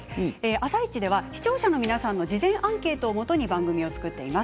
「あさイチ」では視聴者の皆さんの事前アンケートをもとに番組を作っています。